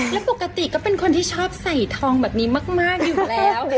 แล้วปกติก็เป็นคนที่ชอบใส่ทองแบบนี้มากอยู่แล้ว